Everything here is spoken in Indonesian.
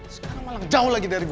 sekarang malah jauh lagi dari ibu